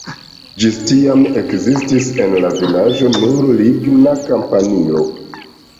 Ĝis tiam ekzistis en la vilaĝo nur ligna kampanilo.